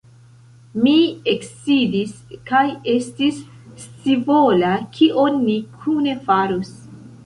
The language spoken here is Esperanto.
Mi eksidis kaj estis scivola, kion ni kune farus.